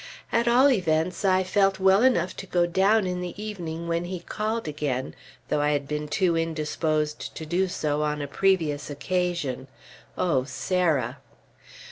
At all events, I felt well enough to go down in the evening when he called again, though I had been too indisposed to do so on a previous occasion. (O Sarah!)